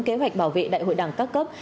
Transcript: kế hoạch bảo vệ đại hội đảng các cấp